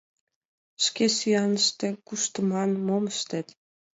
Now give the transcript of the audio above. Шке сӱаныште куштыман, мом ыштет!